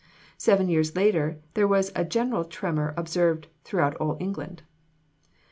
Seven years later there was a general tremor observed throughout all England.